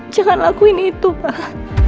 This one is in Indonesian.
jangan lakuin itu pak